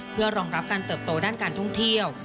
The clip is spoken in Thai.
เพื่อรองรับการเติบโตด้านการท่องเที่ยว